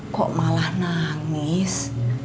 kok malah nangis